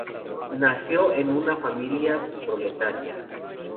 Nació en una familia proletaria.